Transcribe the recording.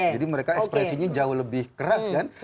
jadi mereka ekspresinya jauh lebih keras kan